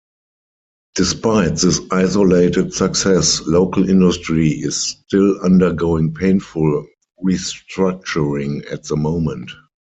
Despite this isolated success, local industry is still undergoing painful restructuring at the moment.